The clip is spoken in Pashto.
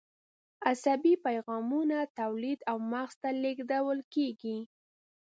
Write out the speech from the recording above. عصبي پیغامونه تولید او مغز ته لیږدول کېږي.